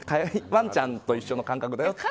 ワンちゃんと一緒の感覚だよって。